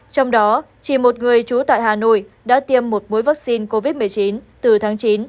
trong đó chỉ một người trú tại hà nội đã tiêm một mũi vaccine covid một mươi chín từ tháng chín